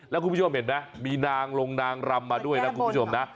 แล้วคุณผู้ชมเห็นไหมมีนางลงนางรำมาด้วยนะคุณผู้ชมนะ